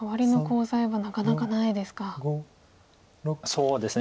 そうですね